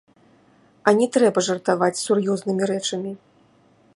А не трэба жартаваць з сур'ёзнымі рэчамі.